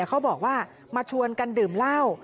เขาบอกว่ามาชวนกันดื่มเหล้า